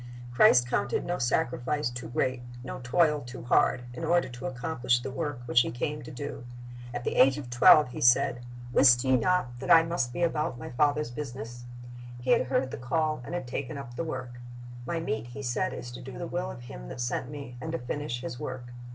^ Christ counted no sacrifice too great, no toil too hard, in order to accomplish the work which He came to do. At the age of twelve He said, "Wist ye not that ' 2 Peter i : 2 7 Ps. 40:8 5 a J' i )i g and D o i ng 283 I must be about My Father's business?"^ He had heard the call, and had taken up the work. "My meat," He said, "is to do the will of Him that sent Me, and to finish His work."